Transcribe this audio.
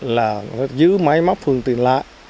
là giữ máy móc phương tiện lại